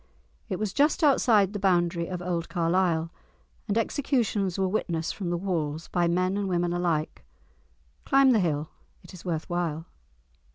It was just outside the boundary of old Carlisle, and executions were witnessed from the walls, by men and women alike. Climb the hill—it is worth while.